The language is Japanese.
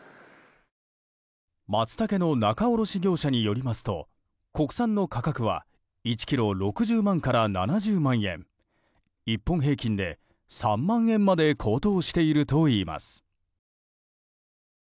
マツタケの仲卸業者によりますと国産の価格は１ｋｇ６０万円から７０万円１本平均で３万円まで高騰しているといいます。